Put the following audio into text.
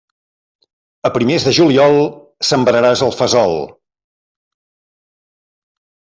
A primers de juliol, sembraràs el fesol.